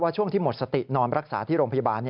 ช่วงที่หมดสตินอนรักษาที่โรงพยาบาล